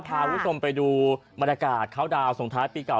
พาวุฒมไปดูบรรยากาศเข้าดาวน์สงท้ายปีเก่า